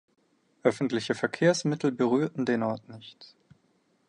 Öffentliche Verkehrsmittel berührten den Ort nicht.